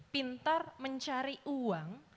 pintar mencari uang